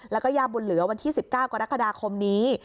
แล้วก็ย่าบุญเหลือวันที่๑๙กรกฎาคมนี้